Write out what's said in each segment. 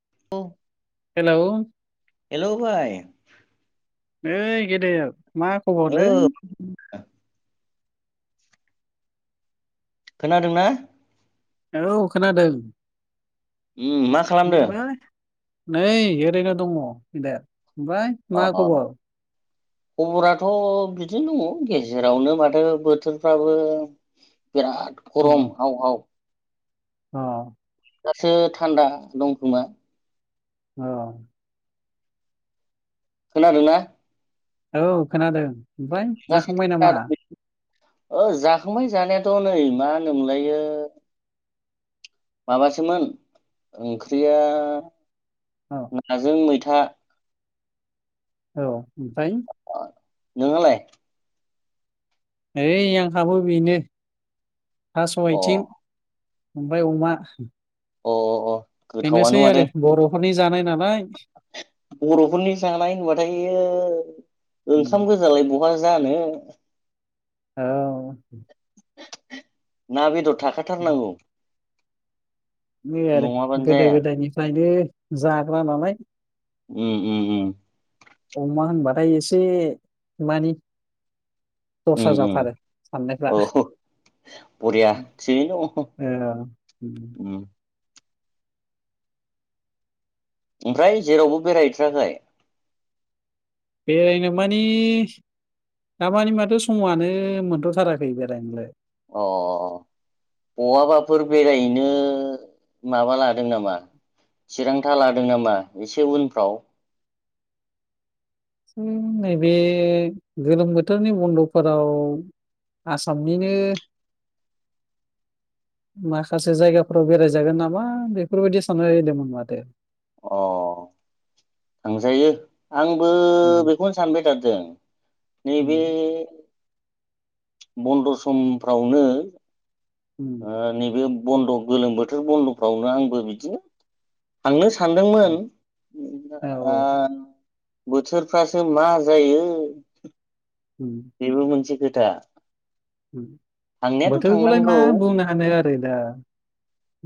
[unintelligible] Hello hello भाइ ओय गदेर मा औ खबरलै? खोनादोंना? औ खोनादों उम मा खालामदों? खोनायालाय नै ओरैनो दङ बिदाया ओमफाय अ मा खबर? खबराथ' बिदिनो दङ गेजेरावनो माथो बोथोरफ्राबो बिराद उम, गरम हाव हाव। अ हासो थान्दा दंखोमा? औ खोनादोंना? औ खोनादों ओमफ्राय जाखांबाय नामा? ओ जाखांबाय जानायाथ नै मा होनो मोनलायो माबासोमोन ओंख्रिया औ नाजों मै था औ ओमफ्राय नोंहालाइ? नै आंहाबो बेनो थास' अ आइथिं ओमफ्राय अमा अ अ बेनोसै गोथावानो माथो आरो बर नखरनि जानाय नालाय बरफोरनि जानाय होनबाथाय यो उम, ओंखाम गोजालाय बह बहा जानो औ ना बेदद थाखाथारनांगौ नै आरो नङाबानो गोदो जाया गोदायनिफ्रायनो जाग्रा नालाय उम उम उम अमा होनबाथाय एसे मानि उम दस्रा उम जाथारो साननायफ्रा औ बरिया थिगैनो दङ औ उम ओमफ्राय जेरावबो बेरायहैथाराखै बेरायनो मानि दामानि माथो समआनो मोनथ थाराखै बेरायनोलाय अ बहाबाफोर बेरायहैनो माबा लादों नामा चिरांथा लादों नामा एसे उनफ्राव हम नैबे गोलोम बोथोरनि बन्दफोराव आसामनिनो माखासे जायगाफोराव बेरायजागोन नामा बेफोरबायदि साननो होदोंमोन माथो अ थांजायो आंबो उम बेखौनो सानबाय थादों नैबे उम बन्द समफ्रावनो उम आ नैबे बन्द गोलोम बोथोर बन्दफ्रावनो आंबो बिदिनो थांनो सान औ सानदोंमोन औ आ औ बोथोरफ्रासो मा जायो उम बेबो मोनसे खो- दा बोथोरखौलाय मा बुंनो हानो आरो दा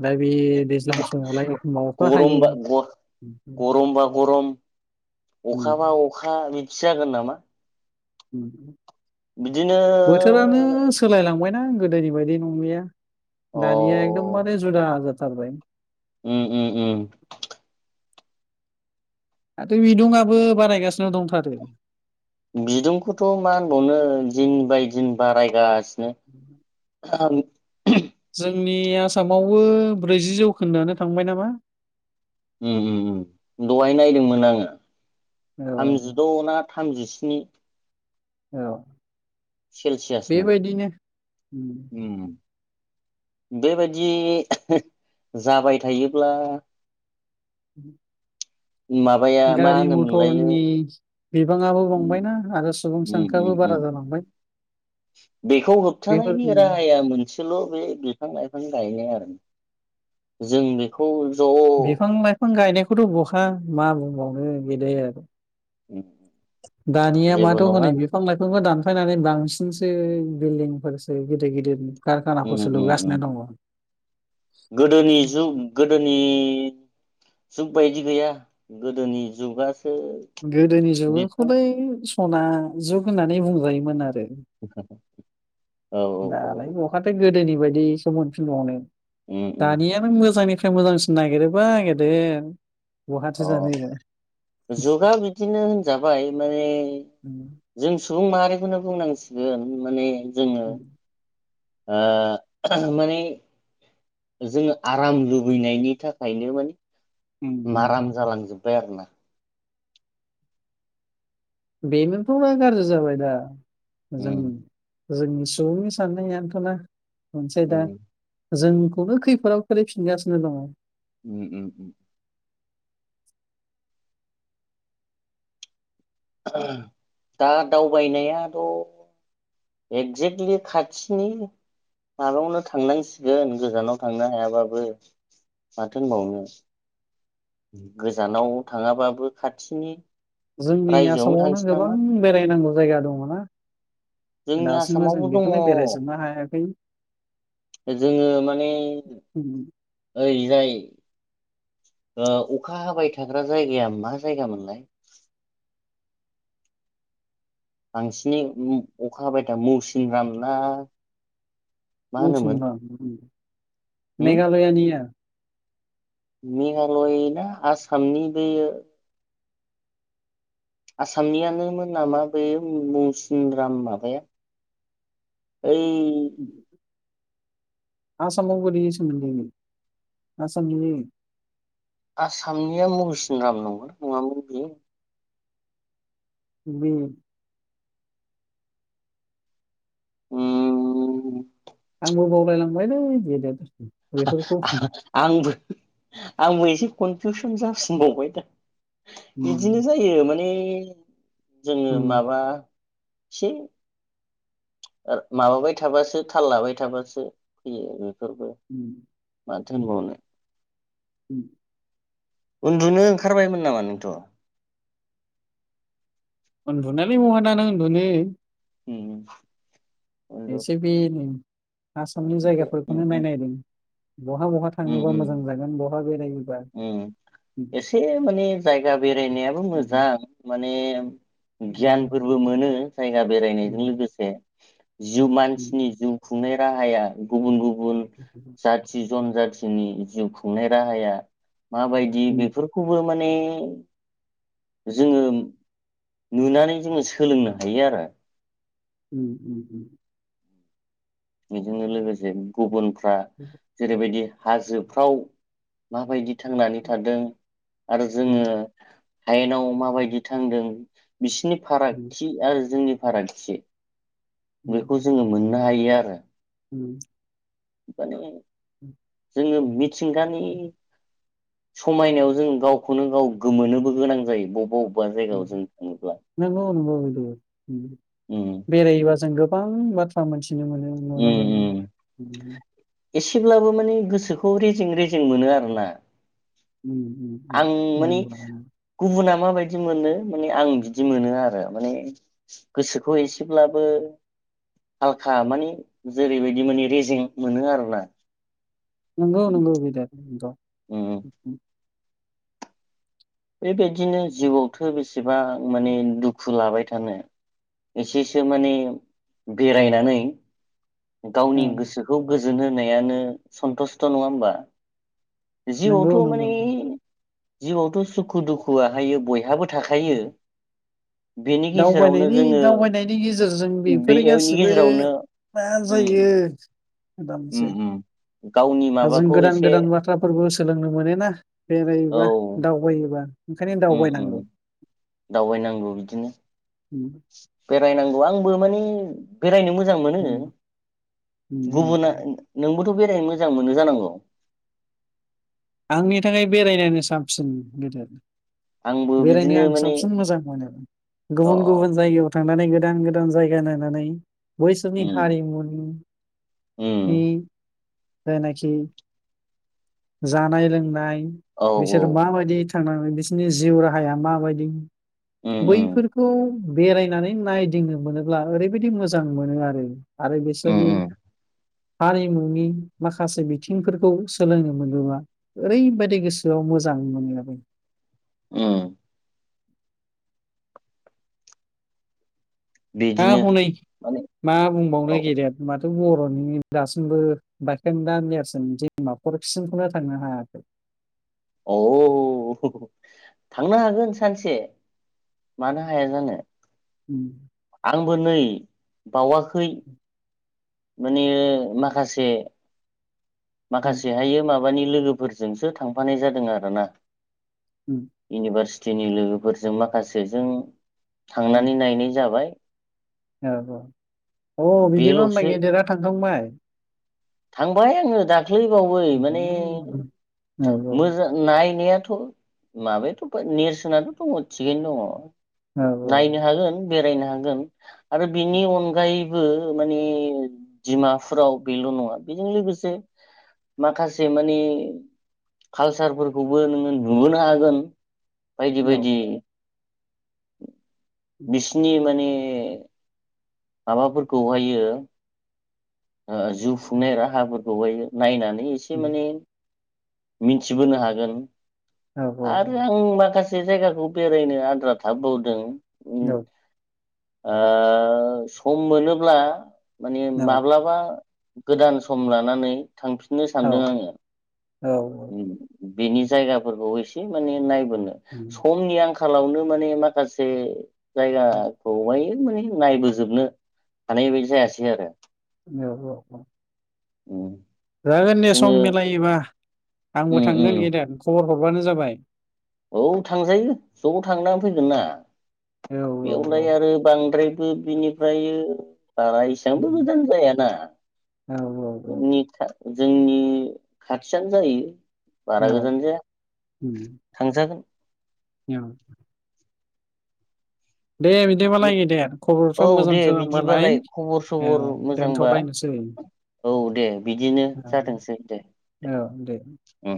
दा बे दैज्लां समावलाय एखमबा अखा गर हायो गमबा गर उम गरमबा गरम अखा बा उम अखा बिदि जागोन नामा? उम बिदिनो बोथोरानो सोलायलांबाय ना गोदोनि बायदि नंलिया अ दानिया एकदम माने जुद जा सार बाय उम उम उम माथो बिदुंआबो बानायायगासिनो दंथारो बिदुंखौथ मा होनबावनो दिन बाय दिन बारायगासि- नोंथां आं उह जोंनि आसामावबो ब्रैजि जौखोन्दोआानो थांबाय नामा हम हम हम दहाय नायदोंमोन आंङो औ थामजिद ना थामजिस्नि औ सेलसियासमोन बेबायदिनो उम बेबायदि जाबाय थायोब्ला [inaudible] माबाया मा गारि होनोम मोनलायो मथरनि बिबाङाबो बांबायना आरो सुबुं उम सानखोआबो उम बारा उम जालांबाय बेखौ बेफोर होबथानायनि उम राहाया मोनसेल बे बिफां लाइफां गाय [unintelligible] जों बेखौ ज' बिफां लाइफां गायनायखौथ' बहा मा बुंनो [unintelligible] गेदेर उम, दानिया जेबो माथ हनै नङा बिफां लाइफांबो दान फायनानै बांसिनसो बिल्डिंफोरसो गिदिर गिदिर उम कारखानाखौसो उम उम लुगासिनो दङ गोदोनि जुग गोदोनि जुग बायदि गैया गोदोनि जुगा गोदोनि जुगाखौलाय सना जुग होननानै बुंजायोमोन आरो। [unintelligible] औ दालाय बहाथो गोद गोदोनि बायदि सम मोनफिनबावनो उम उम दानियानो मोजाङै मोजांसिन नागिरोबा नागिरदो आं जुगा बिदिनो होनजाबाय माने जों सुबुं माहारिखौनो बुंनांसिगोन माने जोङो ओ माने जोङो आराम लुबैनायनि थाखायनो माने माराम जालां जोब आर ना बेनोथ' मा गाज्रि जाबाय दा मोजां उम जोंनि सुबुंनि साननायानोथ'ना रनसाय उम दा जोंखौनो खैफोदाव खोलैफिनगासिनो दङ। उम उम उम दा दावबायनायाथ' एक्जेक्टलि खाथिनि माबायावनो थांनांसिगोन गोजानाव थांनो हायाबाबो माथो होनबावनो गोजानाव थाङाबाबो खाथिनि जोंनि रायजोआवनो आसामावनो थांसै नामा गोबां बेरायनांगौ जायगा दङना जोंनि दासिमबो जों आसामावबो बेखौनो बेरायजोबनो हायाखै जोङो माने ओरैजाय ओ अखा हाबाय थाग्रा जायगाया मा जायगामोनलाय? बांसिनै अखा हाबायथा मौसिन राम ना मा होनोमोन मौसिनराम मेघालयानिया मेघालय ना आसामनि बेयो आसामनियानोमोन नामा बे मौसिनराम माबाया ओइ आसामाव बोरै सोमोनदों आसामनि आसामनिया मौसिन राम नगौना नङा मोन बियो बि ओम आंबो बावलाय लांबायलै गेदेर आंबो आंबो एसे कनफिउसन जाफिनबावबाय दा इदिनो जायो माने [inaudible] जोङो माबा से माबाबाय थाबासो थाल लाबाय थाबासो फैयो बेफोर उम माथो होनबावनो। उम उन्दुनो ओंखारबायमोन नामा नोंथ'? उन्दुनालाय महाना ना उन्दुनो उम उम एसे बे आसामनि जायगाफोरखौनो नायनायदों। बहा बहा थाङोबा मोजां उम-उम-उम जागोन बहा बेरायोबा एसे माने जायगा बेरायनायाबो मोजां माने गियानफोरबो मोनो। जायगा बेरायनायजों लोगोसे जिउ मानसिनि जिउ खुंनाया राहाया गुबुन-गुबुन उन जाथि जनजा थिनि जिउ खुंनाय राहाया माबायदि बेफोरखौबो माने [inaudible] जोङो नुनानै जोङो सोलोंनो हायो आरो। उम उम उम बेजोंनो लोगोसे गुबुन फ्रा जेरैबायदि हाजोफ्राव माबायदि थांनानै थादों आरो जोङो हायेनाव माबायदि थांदों बिसिनि फारागथि आरो जोंनि फारागथि बेखौ जोङो मोन नो हायो आरो। उम। बाने उम। जोङो मिथिंगानि समायनायाव जों गावखौनो गाव गोमोनोबो गोनां जायो बबबा बब नोंगौ नोंगौ [unintelligible] उम बेरायोबा जों गोब गोबां बाथ्रा मोनथि मिथिनो मोनो नुनो उम मोनो । उम एसेब्लाबो माने गोसोखौ रेजें रेजें मोनो आरो ना। उम उम [unintelligible] गुबुना माबायदि मोनो माने आं बिदि मोनो आरो माने गोसोखौ एसेब्लाबो हालखा माने जेरैबायदि माने रेजें मोनो आरोना। नोंगौ नोंगौ गेदेद नोंगौ। उम बेबायदिनो जिउआवथो बेसे बिसेबां माने दुखु लाबाय थानो एसेसो माने बेरायनानै गावनि औ गोसोखौ गोजो गोजोन होनायानो सन्थुस्थ' नङा होमबा? नंगौ जिउआवथ' माने नंगौ जिउआवथ' सुखु दुखुआहायो बयहाबो थाखायो बेनि गेजेरावनो दाबायनायनि जोङो दावबायनायनि गेजेरजों बेफोरो बेनि गासिबो गेजेरावनो मा उम जायो। उम दानसै उम गावनि दा जों माबाखौ गोदान एसे गोदान बाथ्राफोरबो सोलोंनो मोन ना औ बेरायोबा दावबायोबा। ओंखायनो उम उम दावबायनांगौ। दावबायनांगौ बिदिनो। उम बेरायनांगौ आंबो मानि बेरायनो मो जां मोनो उम उम गुबुना उम नोंबो बेरायनो मोजां मोनो जानांगौ। आंनि थाखाय बेरायनायानो साबसिन गेदेद। आंबो बेरायनो बिदिनो आं माने साबसिन मोजां मोनो अ गुबुन गुबुन जायगायाव थांनानै गोदान-गोदान जायगा नायनानै बैसोरनि उम हारिमुनि इ उम जायनोखि जानाय लोंनाय औ बिसोर औ माादि थांनानै बिसोरनि जिउ राहाया माबायदि उम उम बैफोरखौ बेरायनानै नायदिंनो मोनोब्ला ओरैबायदि मोजां मोनो आरो। आरो उम बेसोरनि उम हारिमुनि माखासे बिथिंफोरखौ सोलोंनो मोनबोबा ओरैबायदि गोसोआव मोजां मोनलाबो । ओं। बिदिनो हाब हनै माने मा बुंबावनो औ गेदेर माथो बर'नि दासिमबो बायखेंदा नेर्सोन दिमाफुरसिमखौनो थांनो हायाखै। अ थांनो हागोन सानसे। मानो हाया जानो। उम। आंबो नै बावाखै माने माखासे माखासे उम हायो माब माबानि लोगोफोरजोंसो थांफानाय जादों आरोना। उम इउनिभार्सि थिनि लोगोफोरजों माखासे जों उम थांनानै नायनाय जाबाय। औ औ अ बिदिबा होमबा बेल'सो गेदेरा थांखांबाय? थांबाय आङो। दाख्लैबावै औ माने औ औ मोजां नायनाया थ' माबायाथ' नेरसोनथ' दङ थिगैनो दङ। औ औ नायनो हागोन। बेरायनो हागोन आरो बेनि अनगायैबो माने डिमाफुराव बेल' नङा बेजों लोगोसे माखासे मानि कालसारफोरखौबो नोङो नुबोनो हागोन। बायदि औ बायदि। बिसिनि माने ए। माबाफोरखौहायो ओ जिउ खुंनाय राहाफोरखौहाय नायनान एसे माने मिनथिबोनो हागोन औ औ आरो आं माखास से जायगाखौ बेरायनो आद्रा थाबोबावदों उम औ ओ सम मोनोब्ला मानि माब्लाबा गोदान सम लानानै थांफिननो सानदों आङो ओरैनो । बेनि जायगाफोरखौ एसे माने नाय- समनि आंखाल खालावनो माने माखासे- जायगा बवाय माने नायबोजोबनो हानाय बायदि जायासै आरो औ उम जागोन दे जोङो सम मिलायोबा आंबो उम थांगोन उम गेदेत खबर हरबानो जाबाय औ थांजायो ज' थांना फैगोन ना औ औ औ औ बेयावलाय आरो बांद्राय बि-बिनिफ्राय बारा एसेबांबो गोजान जाया ना नोंनि इतसा जोंनि खाथियानो जायो बारा औ गोजान जाया थांजागोन [unintelligible] दे बिदिबालाय गेदेत औ खबरफ्रा दे मोजांसो बालाय बिदिबालाय खबर औ सबर मोजांबा दोनथ'लायनोसै औ दे बिदिनो जाथोंसै दे औ-औ दे उम